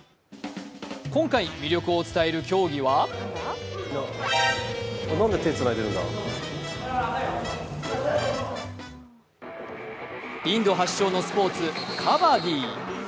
今回、魅力を伝える競技はインド発祥のスポーツカバディ。